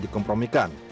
tni juga bisa dikompromikan